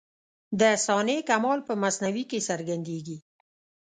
د صانع کمال په مصنوعي کي څرګندېږي.